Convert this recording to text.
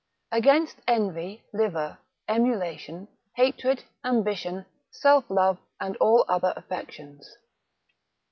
Against Envy, Livor, Emulation, Hatred, Ambition, Self love, and all other Affections.